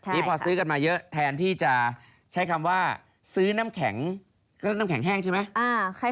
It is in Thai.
นี่พอซื้อกันมาเยอะแทนที่จะใช้คำว่าซื้อน้ำแข็งน้ำแข็งแห้งใช่ไหม